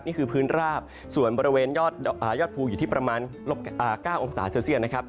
นี่คือพื้นราบส่วนบริเวณยอดภูอยู่ที่ประมาณ๙องศาเซลเซียตนะครับ